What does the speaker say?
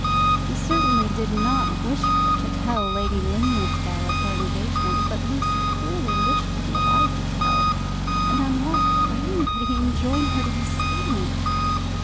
He certainly did not wish her to tell Lady Linlithgow of her engagement, but Lucy clearly wished to be allowed to tell, and on what ground could he enjoin her to be silent?